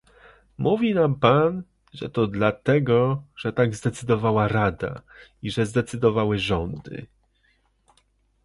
Mówi nam pan, że to dlatego, że tak zadecydowała Rada, i że zadecydowały rządy